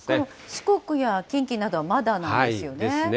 四国や近畿などはまだなんですよね。